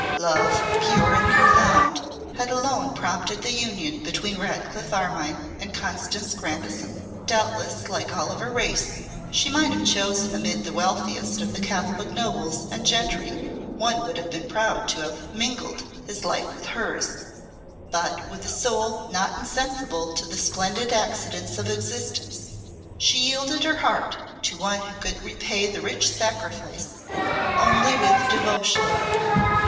Love, pure and profound, had alone prompted the union between Ratcliffe Armine and Constance Grandison Doubtless, like all of her race, she might have chosen amid the wealthiest of the Catholic nobles and gentry one who would have been proud to have mingled his life with hers; but, with a soul not insensible to the splendid accidents of existence, she yielded her heart to one who could repay the rich sacrifice only with devotion.